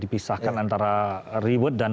dipisahkan antara reward dan